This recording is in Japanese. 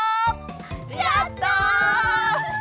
やった！